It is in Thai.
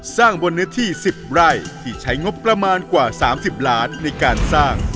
สร้างบนเนื้อที่๑๐ไร่ที่ใช้งบประมาณกว่า๓๐ล้านในการสร้าง